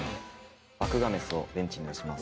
バクガメスをベンチに出します。